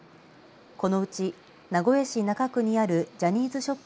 このうち名古屋市中区にあるジャニーズショップ